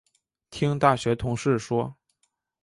听大学同事说